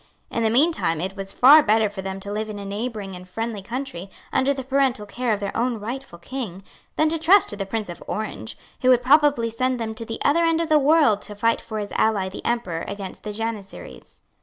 In the meantime it was far better for them to live in a neighbouring and friendly country, under the parental care of their own rightful King, than to trust the Prince of Orange, who would probably send them to the other end of the world to fight for his ally the Emperor against the Janissaries.